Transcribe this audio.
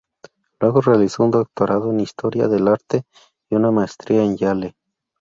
Luego realizó un doctorado en Historia del Arte y una maestría en Yale.